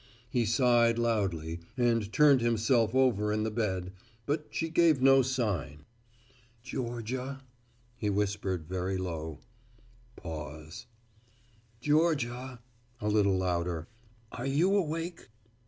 He sighed loudly and turned himself over in the bed, but she gave no sign. "Georgia," he whispered very low. Pause. "Georgia," a little louder, "are you awake?"